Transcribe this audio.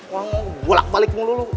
uang bolak balik mulu lo